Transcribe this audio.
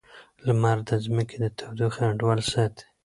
لمر د ځمکې د تودوخې انډول ساتي.